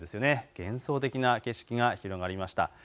幻想的な景色が広がりました。